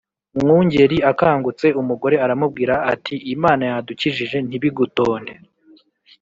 Mwungeli akangutse, umugore aramubwira, ati: "Imana yadukijije ntibigutonde